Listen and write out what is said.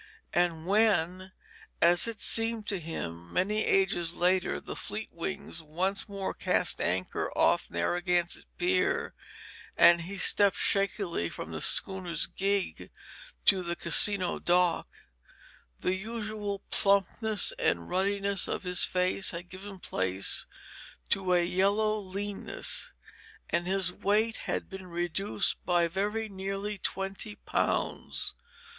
And when as it seemed to him many ages later the Fleetwings once more cast anchor off Narragansett Pier, and he stepped shakily from the schooner's gig to the Casino dock, the usual plumpness and ruddiness of his face had given place to a yellow leanness, and his weight had been reduced by very nearly twenty pounds.